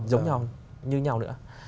giống nhau như nhau nữa